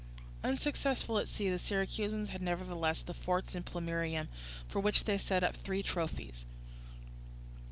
Unsuccessful at sea, the Syracusans had nevertheless the forts in Plemmyrium, for which they set up three trophies.